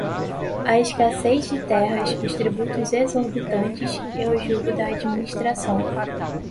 a escassez de terras, os tributos exorbitantes e o jugo da administração